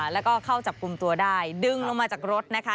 แล้วก็เข้าจับกลุ่มตัวได้ดึงลงมาจากรถนะคะ